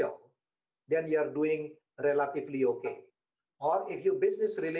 anda dapat menghasilkan biaya variabel